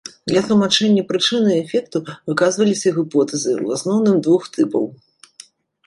Для тлумачэння прычыны эфекту выказваліся гіпотэзы ў асноўным двух тыпаў.